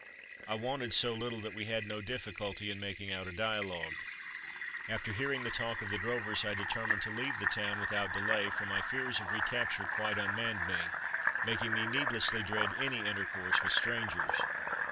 I wanted so little that we had no difficulty in making out a dialogue. After hearing the talk of the drovers I determined to leave the town without delay, for my fears of recapture quite unmanned me, making me needlessly dread any intercourse with strangers.